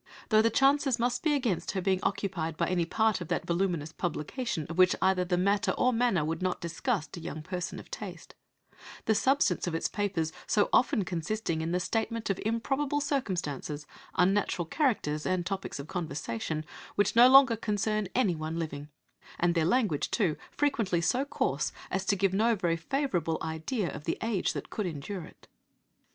though the chances must be against her being occupied by any part of that voluminous publication of which either the matter or manner would not disgust a young person of taste; the substance of its papers so often consisting in the statement of improbable circumstances, unnatural characters, and topics of conversation, which no longer concern any one living; and their language, too, frequently so coarse as to give no very favourable idea of the age that could endure it."